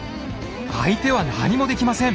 相手は何もできません！